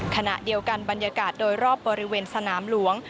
ขณะเดียวกันบรรยากาศโดยรอบบริเวณสนามหลวง